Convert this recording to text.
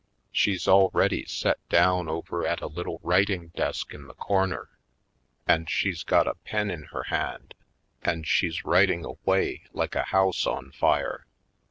She's already set down over at a little writing 222 /. Poindexter^ Colored desk in the corner, and she's got a pen in her hand and she's writing away like a house on fire.